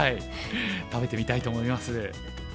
食べてみたいと思います。